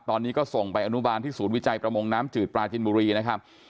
ตอนนี้ก็ส่งไปอนุบาลที่ศูนย์วิจัยประมงน้ำจืดปลาจินบุรีนะครับ